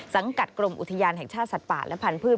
สังกัดกรมอุทยานแห่งชาติสัตว์ป่าและผันพืช